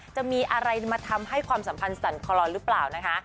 จะมีอะไรมาทำให้ความสัมพันธ์สั่นคลอนหรือเปล่านะคะ